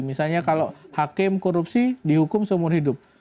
misalnya kalau hakim korupsi dihukum seumur hidup